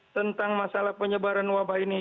tentang masalah penyebaran wabah ini